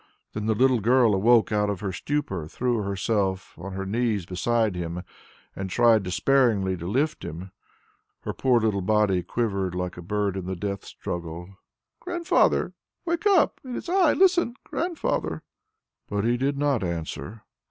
Then the little girl awoke out of her stupor, threw herself on her knees beside him, and tried despairingly to lift him; her poor little body quivered like a bird in the death struggle. "Grandfather! Wake up! It is I! Listen, Grandfather!" But he did not answer.